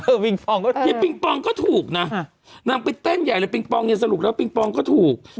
ปิงปองก็ถูกปิงปองก็ถูกนะนางไปเต้นใหญ่เลยปิงปองเนี่ยสรุปแล้วปิงปองก็ถูก